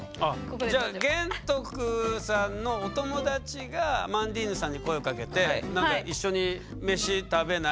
じゃあ玄徳さんのお友達がアマンディーヌさんに声をかけて「一緒に飯食べない？」